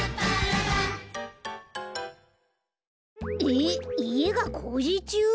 えっいえがこうじちゅう？